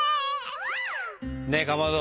ねえかまど。